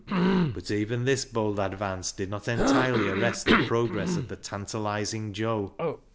But even this bold advance did not entirely arrest the progress of the tantalising Joe.